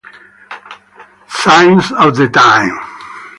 Signs of the Time